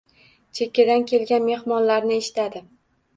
Chekkadan kelgan mehmonlarni eshitadi.